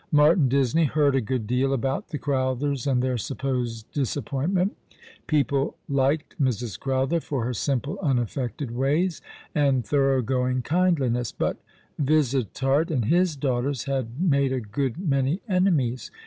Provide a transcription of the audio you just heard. Martin Disney heard a good deal about the Crowthers and their supposed disappointment. People liked Mrs. Crowther for her simple, unaffected ways, and thorough going kindliness; but Vansittart and his daughters had made a good many enemies.